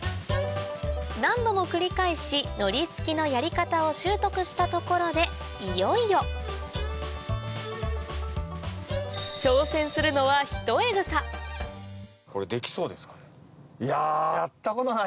何度も繰り返しのりすきのやり方を習得したところでいよいよ挑戦するのはいや。